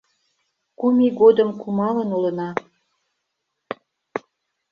Кум ий годым кумалын улына.